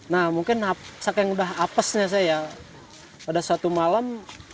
nah mungkin saking udah apesnya saya pada suatu malam